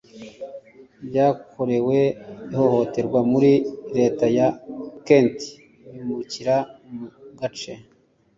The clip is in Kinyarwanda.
byakorewe ihohoterwa muri leta ya kenti bimukira mu gace